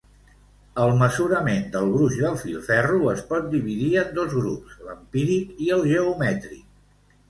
El mesurament del gruix del filferro es pot dividir en dos grups, l'empíric i el geomètric.